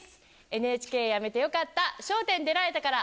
ＮＨＫ辞めてよかった、笑点出られたから。